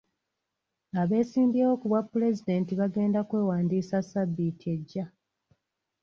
Abeesimbyewo ku bwapulezidenti bagenda okwewandiisa Ssabbiiti ejja.